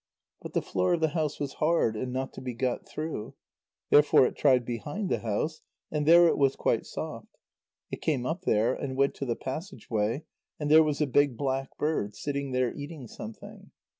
But the floor of the house was hard, and not to be got through. Therefore it tried behind the house, and there it was quite soft. It came up there, and went to the passage way, and there was a big black bird, sitting there eating something.